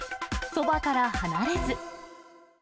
そばから離れず。